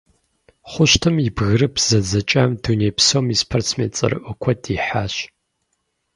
Хъущтым и «бгырыпх зэдзэкӏам» дуней псом и спортсмен цӏэрыӏуэ куэд ихьащ.